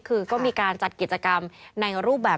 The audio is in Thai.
คือก็มีการจัดกิจกรรมในรูปแบบ